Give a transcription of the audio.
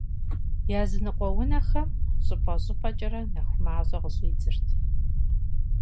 Языныкъуэ унэхэм щӀыпӀэ-щӀыпӀэкӀэрэ нэху мащӀэ къыщӀидзырт.